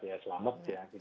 ya selama tidak kuat